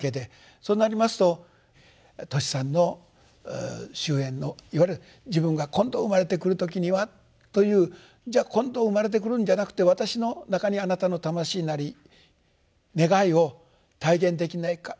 そうなりますとトシさんの終えんのいわゆる自分が今度生まれてくる時にはというじゃあ今度生まれてくるんじゃなくて私の中にあなたの魂なり願いを体現できないだろうかと。